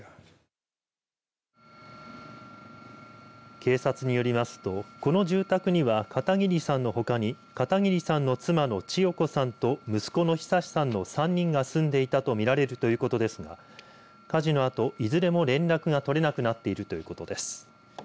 警察によりますとこの住宅には片桐さんのほかに片桐さんの妻の千代子さんと息子の久さんの３人が住んでいたとみられるということですが火事のあといずれも連絡が取れなくなっているということです。